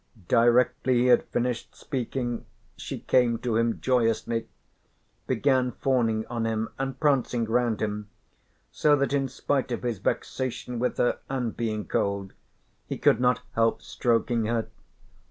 Directly he had finished speaking she came to him joyously, began fawning on him and prancing round him so that in spite of his vexation with her, and being cold, he could not help stroking her.